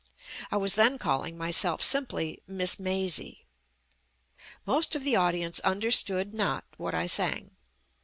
I was then calling myself simply "Miss Mazie." Most of the audience understood not what I sang.